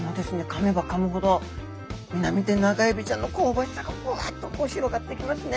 かめばかむほどミナミテナガエビちゃんの香ばしさがぶわっとこう広がってきますね。